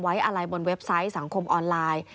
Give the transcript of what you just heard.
ไว้อะไรบนเว็บไซต์สังคมออนไลน์